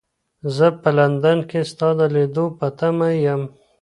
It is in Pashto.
زه په لندن کې ستا د لیدلو په تمه یم.